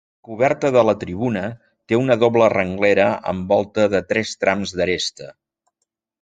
La coberta de la tribuna té una doble renglera amb volta de tres trams d'aresta.